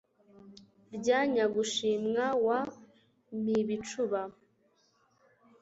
rya nyagushimwa wa mpibicuba